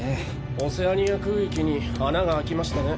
オセアニア空域に穴が開きましたね。